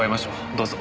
どうぞ。